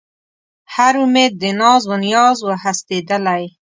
هر اُمید د ناز و نیاز و هستېدلی